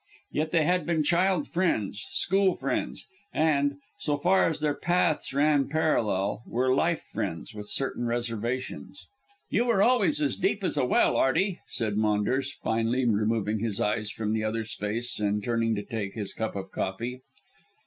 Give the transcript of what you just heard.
Yet they had been child friends, school friends, and so far as their paths ran parallel were life friends, with certain reservations. "You were always as deep as a well, Arty," said Maunders, finally removing his eyes from the other's face and turning to take his cup of coffee.